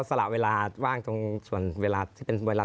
สนุนโดยอีซุสุข